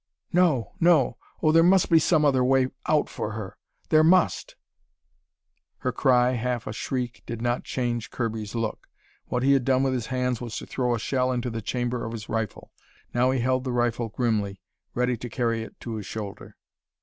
"No! No! Oh, there must be some other way out for her! There must "Her cry, half a shriek, did not change Kirby's look. What he had done with his hands was to throw a shell into the chamber of his rifle. Now he held the rifle grimly, ready to carry it to his shoulder.